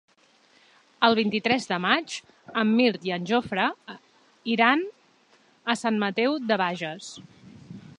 El vint-i-tres de maig en Mirt i en Jofre iran a Sant Mateu de Bages.